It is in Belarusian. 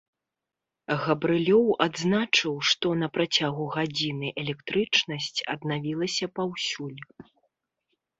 Габрылёў адзначыў, што на працягу гадзіны электрычнасць аднавілася паўсюль.